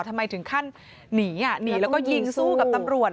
ทำไมถึงขั้นหนีหนีแล้วก็ยิงสู้กับตำรวจ